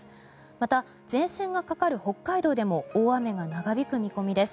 また、前線がかかる北海道でも大雨が長引く見込みです。